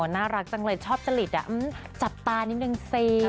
อ๋อน่ารักจังเลยชอบจะหลีดอ่ะจับตานิดนึงซิ